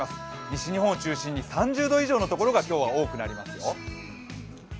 西日本を中心に３０度以上のところが今日は多くなりますよ。